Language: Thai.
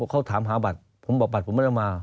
เขาถามหาบัตรผมบอกบัตรผมไม่ได้มา